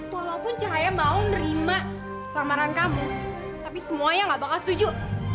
walaupun cahaya mau nerima lamaran kamu tapi semuanya gak bakal setuju